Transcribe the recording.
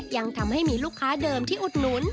ยังทำให้มีลูกค้าเดิมที่อุดหนุน